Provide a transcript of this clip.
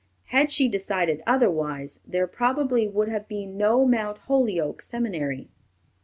Had she decided otherwise, there probably would have been no Mount Holyoke Seminary.